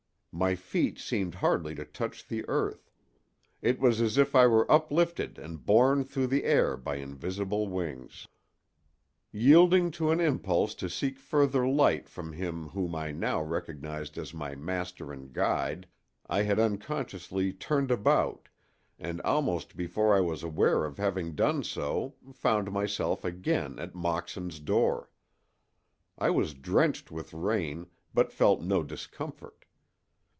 My feet seemed hardly to touch the earth; it was as if I were uplifted and borne through the air by invisible wings. Yielding to an impulse to seek further light from him whom I now recognized as my master and guide, I had unconsciously turned about, and almost before I was aware of having done so found myself again at Moxon's door. I was drenched with rain, but felt no discomfort.